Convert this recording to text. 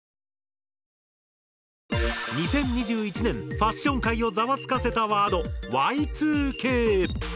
２０２１年ファッション界をざわつかせたワード「Ｙ２Ｋ」。